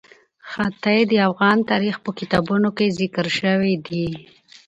ښتې د افغان تاریخ په کتابونو کې ذکر شوی دي.